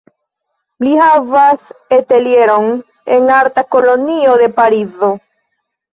Li havas atelieron en arta kolonio de Parizo.